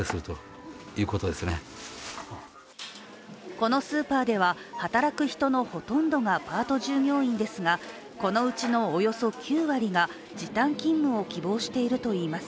このスーパーでは働く人のほとんどがパート従業員ですがこのうちのおよそ９割が時短勤務を希望しているといいます。